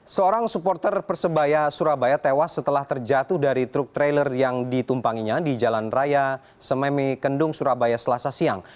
seorang supporter persebaya surabaya tewas setelah terjatuh dari truk trailer yang ditumpanginya di jalan raya sememi kendung surabaya selasa siang